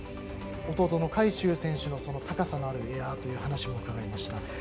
弟の海祝選手の高さのあるエアという話も伺いました。